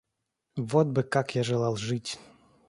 Вот бы как я желал жить!